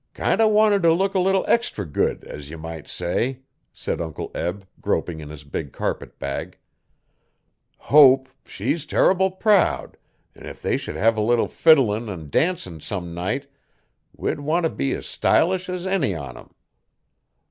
'Kind o' wanted to look a leetle extry good, as ye might say,' said Uncle Eb, groping in his big carpet bag. 'Hope, she's terrible proud, an' if they should hev a leetle fiddlin' an' dancin' some night we'd want t' be as stylish as any on em.